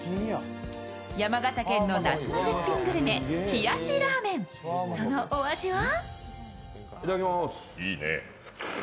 山形県の夏の絶品グルメ冷やしラーメン、そのお味は？